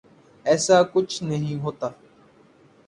ایسا کچھ نہیں ہونا تھا۔